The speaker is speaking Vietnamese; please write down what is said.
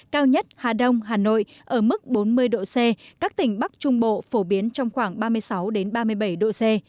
cao nhất hà đông hà nội ở mức bốn mươi độ c các tỉnh bắc trung bộ phổ biến trong khoảng ba mươi sáu ba mươi bảy độ c